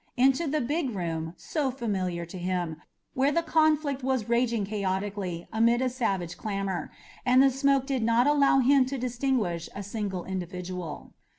into the big room, so familiar to him, where the conflict was raging chaotically amid a savage clamour, and the smoke did not allow him to distinguish a single individual.